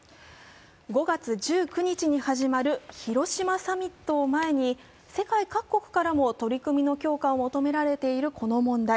５月１９日に始まる広島サミットを前に世界各国からも取り組みの強化を求められているこの問題。